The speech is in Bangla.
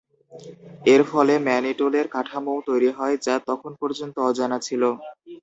এর ফলে ম্যানিটোলের কাঠামোও তৈরি হয় যা তখন পর্যন্ত অজানা ছিল।